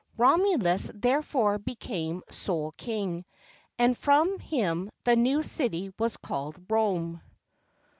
Romulus therefore became sole king, and from him the new city was called Rome.